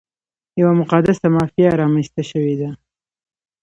یوه مقدسه مافیا رامنځته شوې ده.